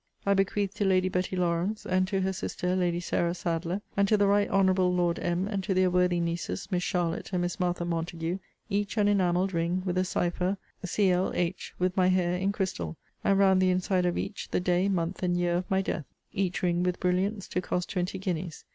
I bequeath to Lady Betty Lawrance, and to her sister, Lady Sarah Sadleir, and to the right honourable Lord M. and to their worthy nieces, Miss Charlotte and Miss Martha Montague, each an enamelled ring, with a cipher Cl. H. with my hair in crystal, and round the inside of each, the day, month, and year of my death: each ring, with brilliants, to cost twenty guineas.